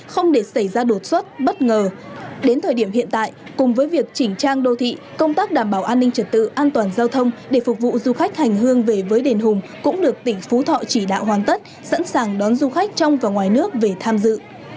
không để xảy ra đột xuất bất ngờ đến thời điểm hiện tại cùng với việc chỉnh trang đô thị công tác đảm bảo an ninh trật tự an toàn giao thông để phục vụ du khách hành hương về với đền hùng cũng được tỉnh phú thọ chỉ đạo hoàn tất sẵn sàng đón du khách trong và ngoài nước về tham dự